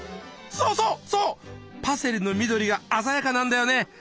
そうそうそうパセリの緑が鮮やかなんだよね。